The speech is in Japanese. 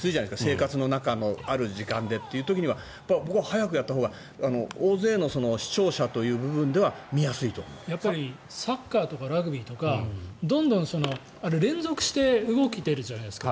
生活の中である時間でっていう時には僕は早くやったほうが大勢の視聴者という部分ではサッカーとかラグビーとかどんどん連続して動いてるじゃないですか。